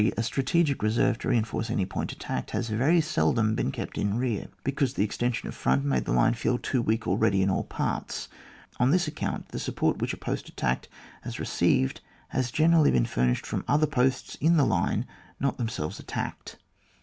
A strategic reserve, to reinforce wij point attacked, has very seldom been kept in rear, because the extension of front made the line feel too weak already in all parts. On this account the support which a post attacked has received, has generally been furnished from other posts in the line not themselves attacked.